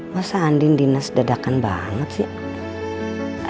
masa andin dinas dadakan banget sih